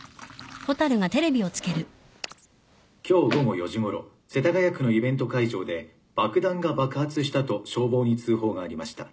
今日午後４時ごろ世田谷区のイベント会場で爆弾が爆発したと消防に通報がありました。